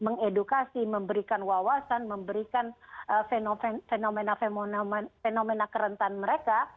mengedukasi memberikan wawasan memberikan fenomena fenomena kerentan mereka